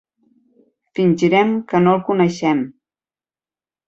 Fingirem que no el coneixem.